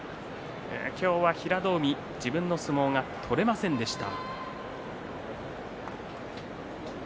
今日は平戸海自分の相撲が取れませんでした。